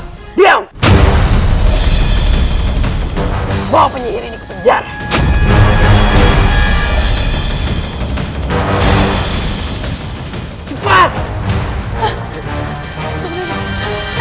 hai diam bawa penyihir ini ke penjara cepat